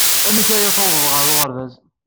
Amek ay d-tewwḍed ɣer uɣerbaz?